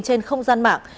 trên không gian mạng